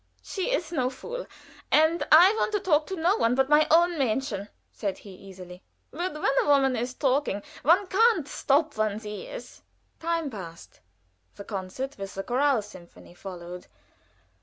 "She is no fool, and I want to talk to no one but my own Mädchen," said he, easily; "but when a woman is talking one can't stop one's ears." Time passed. The concert with the Choral Symphony followed.